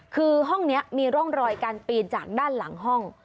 คือห้องนี้มีร่องรอยการปีนจากด้านหลังห้อง